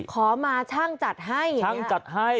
ขอมาช่างจัดให้ช่างจัดให้